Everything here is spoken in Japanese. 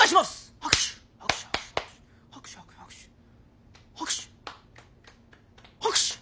拍手拍手！